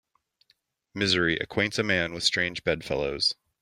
Misery acquaints a man with strange bedfellows